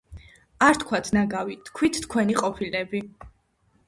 არ თქვათ ნაგავი თქვით თქვენი ყოფილები